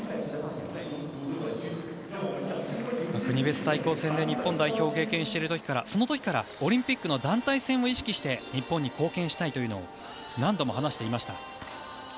国別対抗戦で日本代表を経験している時からオリンピックの団体戦を意識して日本に貢献したいというのを何度も話していました。